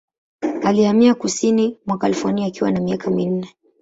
Alihamia kusini mwa California akiwa na miaka minne.